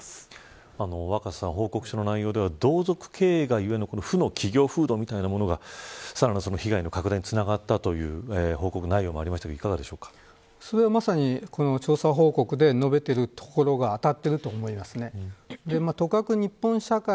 若狭さん報告書の内容では同族経営がゆえんと思われている負の企業風土みたいなものがさらなる被害拡大につながったという報告内容もありましたがまさに調査報告で述べているところが当たっていると思いますね。